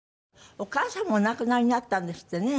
お母さんもお亡くなりになったんですってね。